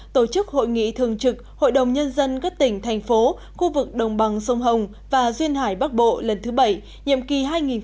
tổ chức hội nghị thường trực hội đồng nhân dân các tỉnh thành phố khu vực đồng bằng sông hồng và duyên hải bắc bộ lần thứ bảy nhiệm kỳ hai nghìn một mươi sáu hai nghìn hai mươi một